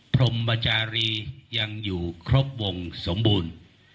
พรมจารียังอยู่ครบวงสมบูรณ์